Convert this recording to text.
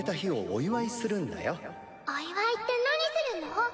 お祝いって何するの？